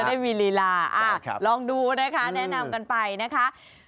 ได้มีลีลาลองดูนะคะแนะนำกันไปนะคะ